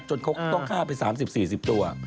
จนเค้าต้องฆ่าไป๓๐ตัว